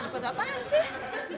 buat apaan sih